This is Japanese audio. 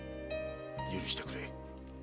許してくれ。